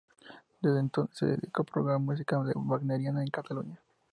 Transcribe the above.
Desde entonces se dedicó a propagar la música wagneriana en Cataluña.